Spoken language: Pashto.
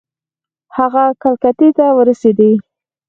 هغه کلکتې ته ورسېدی.